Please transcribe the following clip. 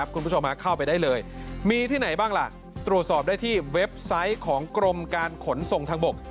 คุณผู้ชมเข้าไปได้เลยมีที่ไหนบ้างล่ะตรวจสอบได้ที่เว็บไซต์ของกรมการขนส่งทางบก